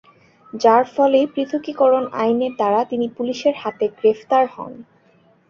যার ফলে পৃথকীকরণ আইনের দ্বারা তিনি পুলিশের হাতে গ্রেফতার হন।